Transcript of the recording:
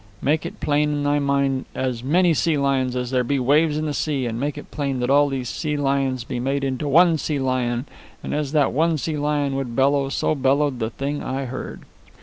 Make it plain in thy mind of as many sea lions as there be waves to the sea, and make it plain that all these sea lions be made into one sea lion, and as that one sea lion would bellow so bellowed the thing I heard."